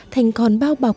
thành còn bao bọc